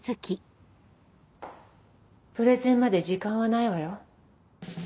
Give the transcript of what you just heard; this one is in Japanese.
プレゼンまで時間はないわよ？